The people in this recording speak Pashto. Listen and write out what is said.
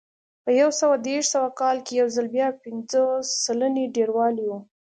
په یو سوه دېرش سوه کال کې یو ځل بیا پنځوس سلنې ډېروالی و